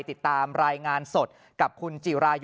ติดตามรายงานสดกับคุณจิรายุ